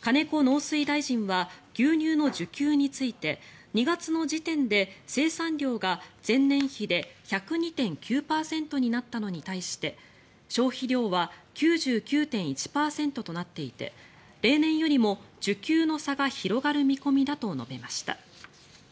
金子農水大臣は牛乳の需給について２月の時点で生産量が前年比で１０２．９％になったのに対して消費量は９９．１％となっていて例年よりも需給の差が広がる見込みだと述べました。